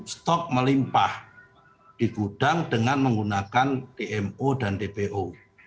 stok melimpah di gudang dengan menggunakan dmo dan dpo